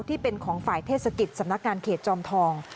ที่เป็นของฝ่ายเทศกิจสำนักงานเขตจอมทอง